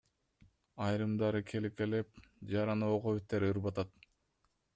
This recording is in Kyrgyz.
Айрымдары келекелеп, жараны ого бетер ырбатат.